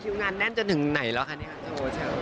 คิวงานแน่นจะถึงไหนแล้วคะนี่คะโชว์เช้า